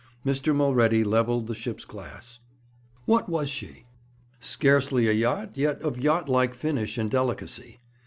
Mr. Mulready levelled the ship's glass. What was she? Scarcely a yacht, yet of yacht like finish and delicacy.